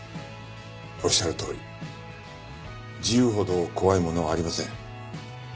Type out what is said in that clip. おっしゃるとおり自由ほど怖いものはありません。